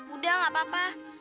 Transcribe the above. udah gak apa apa